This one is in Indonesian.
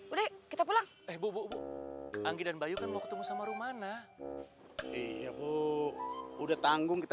udah kita pulang eh bu anggi dan bayu kan mau ketemu sama rumana iya bu udah tanggung kita